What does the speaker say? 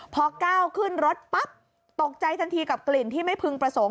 พอก้าวขึ้นรถปั๊บตกใจทันทีกับกลิ่นที่ไม่พึงประสงค์